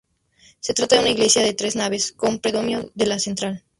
Se trata de una iglesia de tres naves con predominio de la central.